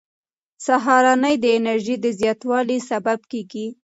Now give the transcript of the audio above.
سهارنۍ د انرژۍ د زیاتوالي سبب کېږي.